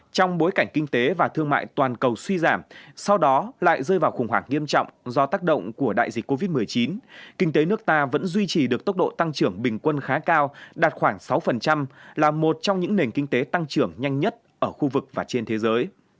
trong bối cảnh kinh tế và thương mại toàn cầu suy giảm sau đó lại rơi vào khủng hoảng nghiêm trọng do tác động của đại dịch covid một mươi chín kinh tế nước ta vẫn duy trì được tốc độ tăng trưởng bình quân khá cao đạt khoảng sáu là một trong những nền kinh tế tăng trưởng nhanh nhất ở khu vực và trên thế giới